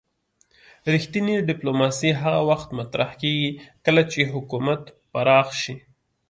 رښتینې ډیپلوماسي هغه وخت مطرح کیږي کله چې حکومت پراخ شي